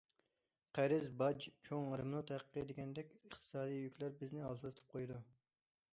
قەرز، باج، چوڭ رېمونت ھەققى دېگەندەك ئىقتىسادىي يۈكلەر بىزنى ھالسىرىتىپ قويىدۇ.